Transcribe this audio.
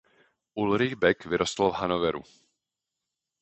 Ulrich Beck vyrostl v Hannoveru.